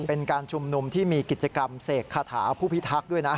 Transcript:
เป็นการชุมนุมที่มีกิจกรรมเสกคาถาผู้พิทักษ์ด้วยนะ